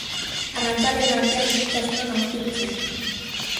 Arrantzaleen artean ixiltasuna nagusitu zen.